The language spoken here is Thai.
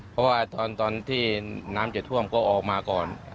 เพราะว่าตอนที่น้ำจะท่วมก็ออกมาก่อน